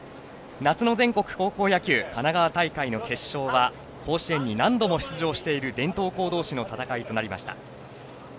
夏の全国高校野球神奈川大会の決勝は甲子園に何度も出場している伝統校同士の戦いとなりました。